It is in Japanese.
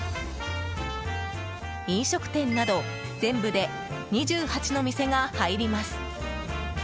飲食店など全部で２８の店が入ります。